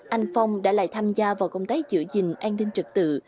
anh phong đã lại tham gia vào công tác giữ gìn an ninh trật tự